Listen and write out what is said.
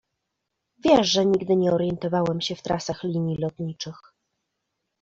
Wiesz, że nigdy nie orientowałem się w trasach linii lotniczych.